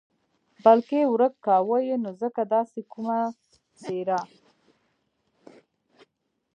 بلکې ورک کاوه یې نو ځکه داسې کومه څېره.